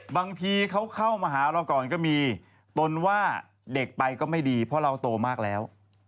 บางทีเขาเข้ามาหาเราก่อนก็มีตนว่าเด็กไปก็ไม่ดีเพราะเราโตมากแล้ว